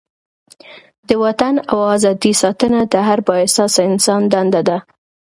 د وطن او ازادۍ ساتنه د هر با احساسه انسان دنده ده.